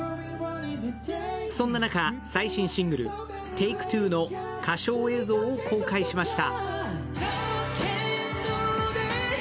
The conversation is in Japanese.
そんな中、最新シングル「ＴａｋｅＴｗｏ」の歌唱映像を公開しました。